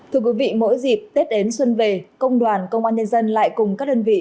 thưa quý vị mỗi dịp tết đến xuân về công đoàn công an nhân dân lại cùng các đơn vị